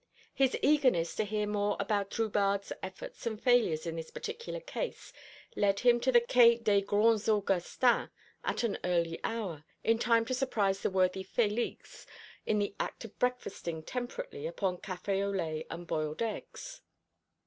His eagerness to hear more about Drubarde's efforts and failures in this particular case led him to the Quai des Grands Augustins at an early hour, in time to surprise the worthy Félix in the act of breakfasting temperately upon café au lait and boiled eggs.